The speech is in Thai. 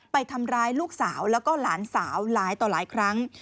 ไปทำร้ายลูกสาวแล้วก็หลานสาวหลายต่อหลายครั้ง